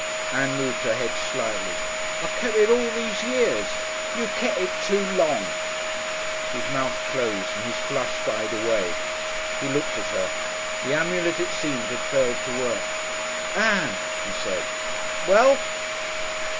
Ann moved her head slightly. "I kep' it all these years." "You kep' it too long." His mouth closed and his flush died away. He looked at her. The amulet, it seemed, had failed to work. "Ann!" he said. "Well?"